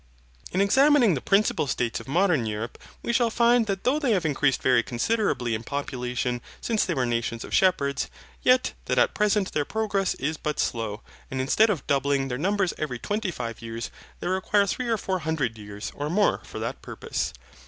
In examining the principal states of modern Europe, we shall find that though they have increased very considerably in population since they were nations of shepherds, yet that at present their progress is but slow, and instead of doubling their numbers every twenty five years they require three or four hundred years, or more, for that purpose.